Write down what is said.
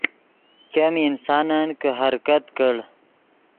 ګیم انسانن کہ حرکت کڑ